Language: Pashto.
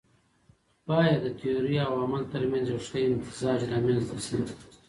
بايد د تيوري او عمل ترمنځ يو ښه امتزاج رامنځته سي.